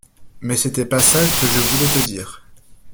Mais c’était pas ça que je voulais te dire.